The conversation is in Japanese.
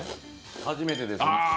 初めてです。